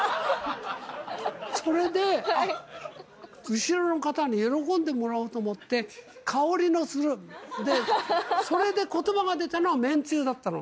それで、あっ、後ろの方に喜んでもらおうと思って、香りのする、それでことばが出たのが麺つゆだったの。